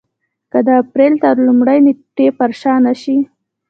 که د اپرېل تر لومړۍ نېټې پر شا نه شي.